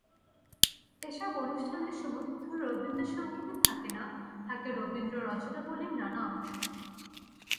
এসব অনুষ্ঠানে শুধু রবীন্দ্রসংগীতই থাকে না, থাকে রবীন্দ্র রচনাবলির নানা অংশ।